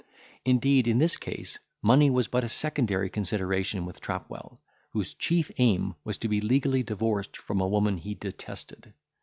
Indeed, in this case, money was but a secondary consideration with Trapwell, whose chief aim was to be legally divorced from a woman he detested.